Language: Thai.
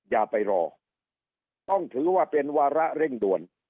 อย่าไปรอต้องถือว่าเป็นวาระเร่งด่วน